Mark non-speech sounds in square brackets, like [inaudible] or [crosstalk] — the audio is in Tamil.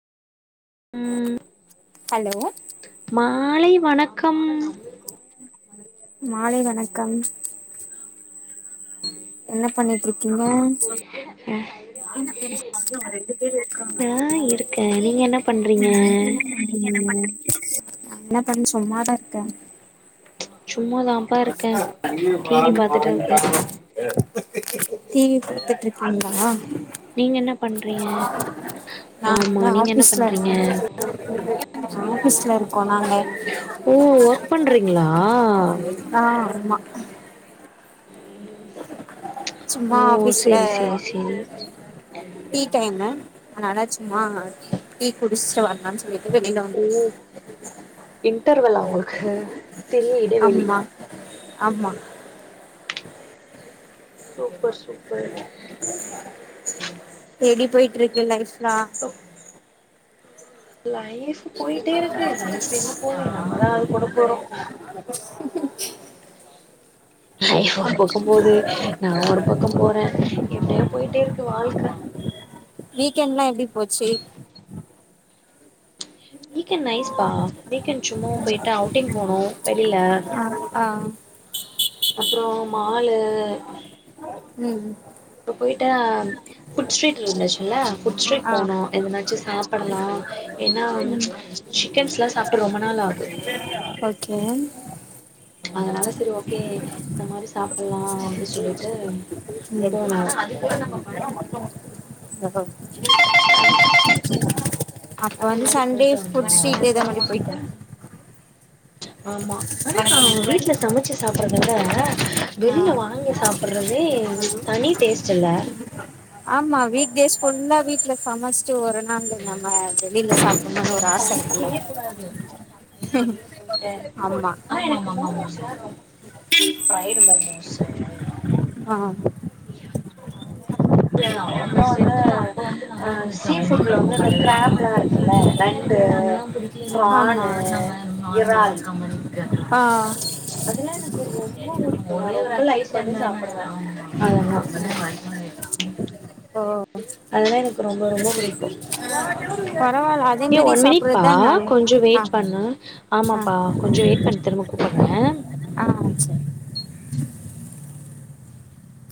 ம் ஹலோ மாலை வணக்கம் மாலை வணக்கம் என்ன பண்ணிட்டு இருக்கீங்க ம் நா இருக்கே நீங்க என்ன பண்றீங்க என்ன பண்ண சும்மாதா இருக்கே சும்மாதாம் ம் டிவி பாத்துட்டு இருக்கீங்களா நீங்க என்ன பண்றீங்க நா ஆமா வந்து நீங்க என்ன ஆபீஸ்ல பண்றீங்க இருக்கே ஆபீஸ்ல இருக்கோ நாங்க ஓ ஒர்க் பண்றீங்களா ஆ ஆமா சும்மா ஓ ஆபீஸ்ல சேரி சேரி சேரி டீ டைம் அதனால சும்மா டீ குடிச்சிட்டு வரலான்னு சொல்லிட்டு வெளில வந்துருக்கே இன்டர்வெல்லா உங்களுக்கு சிறிய இடைவெளி ஆமா ஆமா சூப்பர் சூப்பர் எப்டி போய்ட்டு இருக்கு லைஃப்லா ஓகே லைஃப் போயிட்டே இருக்கு லைஃப் எங்க போகு நம்மதா அது கூட போறோ [inaudible] லைப் ஒரு பக்கோ போது நா ஒரு பக்கோ போறே இப்படியே போயிட்டே இருக்கு வாழ்க்க வீக்கெண்ட்ல்லா எப்டி போச்சி வீக்கெண்ட் நைஸ்பா வீக்கெண்ட் சுமோ பொயிட்டு அவுட்டிங் போனோ வெளில ஆ அப்றோ மாலு உம் அப்பொ பொயிட்டா ஃபுட் ஸ்ட்ரீட் இருந்துச்சில்ல ஃபுட் ஸ்ட்ரீட் ஆ போனோ எதனாச்சு சாப்புடலா ஏனா ம் சிக்கன்ஸ்லா சாப்ட்டு ரொம்ப நாள் ஆவ்து அச்சோ அதனால சரி ஓகே இந்த மாரி சாப்புட்லா அப்டி சொல்லிட்டு ம் போனோ [inaudible] அப்ப அந்த வந்து மாரி சண்டே போயிட்டு ஃபுட் ஸ்ட்ரீட் இத மாரி பொயிட்டோ வந்தோ ஆமா அதானக்கா வீட்ல சமச்சி சாப்புட்றத விட வெளில ஆ வாங்கி சாப்புட்றதே ஒரு தனி டேஸ்ட்டுல்ல ஆமா வீக் டேஸ் ஃபுல்லா வீட்ல சமச்ட்டு ஒரு நாளு நம்ம வெளியில சாப்டணுன்னு ஒரு ஆசரு விக்கவே கூடாது வெளில பொயிட்டே ஆமா ஆனா எனக்கு மமோமோஸ்லா எனக்கு ரொம்ப புடிக்கு ஃப்ரைடு மோமோஸு [unintelligible] ஆ அ சீ ஃபுட் ல வந்து அந்த கிராப்லா இருக்குல்ல நண்டூ ஆமா ப்ரானூ இறால் ஆ அதெல்லா எனக்கு ரொம்ப புடிக்கு ரொம்ப லைக் பண்ணி சாப்புடுவே அதெல்லா ஓ அதெல்லா எனக்கு ரொம்ப ரொம்ப பிடிக்கு பரவால்ல அதே ஏ மாரி ஒன் மினிட் பா சாப்புட்றதுதா நல்ல கொஞ்சொ ஆ வெயிட் பண்ணு ஆ ஆமாப்பா கொஞ்சொ வெயிட் பண் திரும்ப கூப்புட்றே ஆ சரி